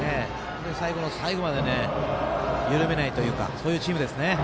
最後の最後まで緩めないというチームですね。